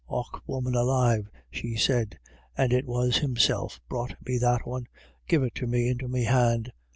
u Och, woman alive," she said, " and it HERSELF. i6i was Himself brought me that one — give it to me into me hand.